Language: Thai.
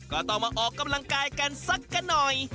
ก็ต้องมาออกกำลังกายกันสักกันหน่อย